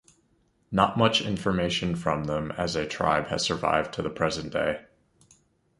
Not much information from them as a tribe has survived to the present day.